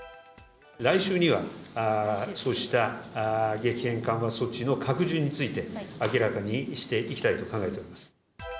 来週には、そうした激変緩和措置の拡充について、明らかにしていきたいと考えております。